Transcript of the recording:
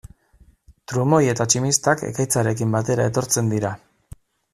Trumoi eta tximistak ekaitzarekin batera etortzen dira.